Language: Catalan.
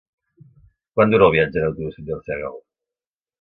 Quant dura el viatge en autobús fins a Arsèguel?